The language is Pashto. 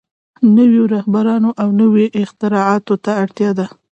نويو رهبرانو او نويو اختراعاتو ته اړتيا ده.